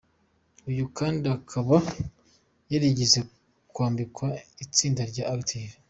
Uyu kandi akaba yarigeze kwambika itsinda rya Active.